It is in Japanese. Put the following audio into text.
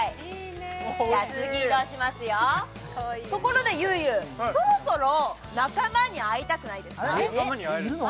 次へ移動しますよ、ところで、ゆうゆう、そろそろ仲間に会いたくないですか？